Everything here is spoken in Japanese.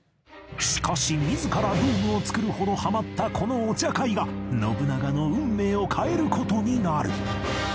しかし自らルールを作るほどハマったこのお茶会が信長の運命を変える事になる